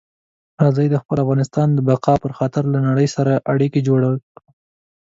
راځئ د خپل افغانستان د بقا په خاطر له نړۍ سره اړیکي جوړې کړو.